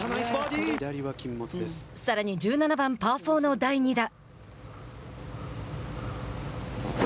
さらに１７番パー４の第２打。